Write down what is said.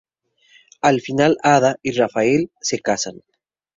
Al final Hada y Rafael se casan.